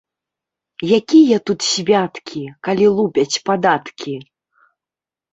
Якія тут святкі, калі лупяць падаткі